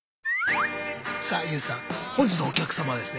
さあＹＯＵさん本日のお客様はですね